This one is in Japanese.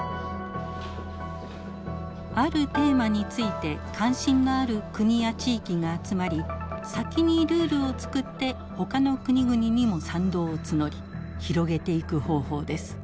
あるテーマについて関心のある国や地域が集まり先にルールを作ってほかの国々にも賛同を募り広げていく方法です。